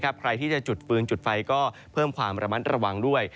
ใครที่จะจุดฟื้นจุดไฟก็เพิ่มความระมัดระวังด้วย